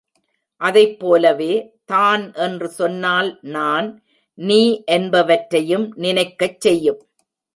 அதைப் போலவே, தான் என்று சொன்னால் நான், நீ என்பவற்றையும் நினைக்கச் செய்யும்.